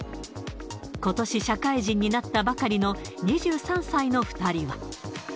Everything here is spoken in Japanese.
ことし社会人になったばかりの２３歳の２人は。